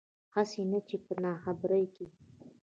هسې نه چې پۀ ناخبرۍ کښې